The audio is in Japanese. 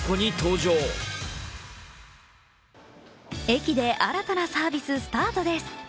駅で新たなサービススタートです。